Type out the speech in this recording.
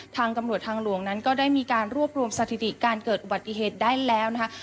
ทางตำรวจทางหลวงนั้นก็ได้มีการรวบรวมสถิติการเกิดอุบัติเหตุได้แล้วนะคะ